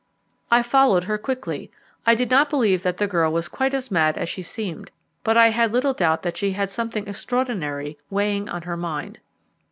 I followed her quickly. I did not believe that the girl was quite as mad as she seemed, but I had little doubt that she had something extraordinary weighing on her mind.